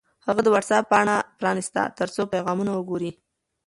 هغه د وټس-اپ پاڼه پرانیسته ترڅو پیغامونه وګوري.